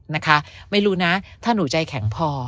นะคะไม่รู้นะถ้าหนูใจแข็งพอ